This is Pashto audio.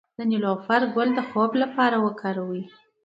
د نیلوفر ګل د خوب لپاره وکاروئ